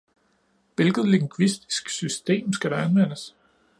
Hvilket lingvistisk system skal der anvendes?